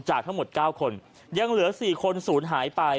ทั้งหมด๙คนยังเหลือ๔คนศูนย์หายไป